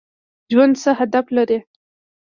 ژوند څه هدف لري؟